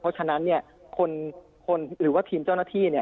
เพราะฉะนั้นคนทีมเจ้าหน้าที่